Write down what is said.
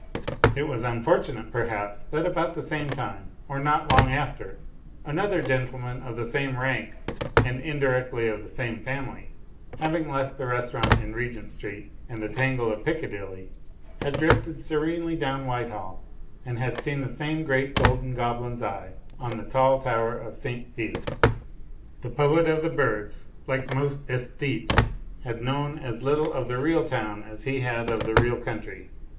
It was unfortunate, perhaps, that about the same time, or not long after, another gentleman of the same rank, and indirectly of the same family, having left the restaurant in Regent Street and the tangle of Pic cadilly, had drifted serenely down Whitehall, and had seen the same great golden goblin's eye on the tall tower of St. Stephen. The Poet of the Birds, like most aesthetes, had known as little of the real town as he had of the real u,y,u.«u by Google THE POET IN PARLIAMENT 213 country.